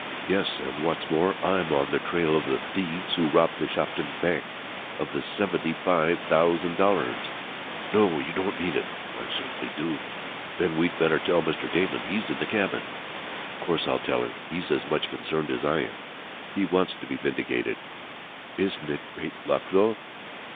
"Yes, and what's more I'm on the trail of the thieves who robbed the Shopton Bank of the seventy five thousand dollars!" "No! You don't mean it!" "I certainly do." "Then we'd better tell Mr. Damon. He's in the cabin." "Of course I'll tell him. He's as much concerned as I am. He wants to be vindicated. Isn't it great luck, though?"